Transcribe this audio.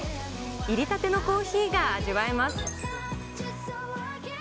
煎りたてのコーヒーが味わえます。